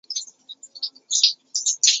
淡钟杜鹃为杜鹃花科杜鹃属下的一个种。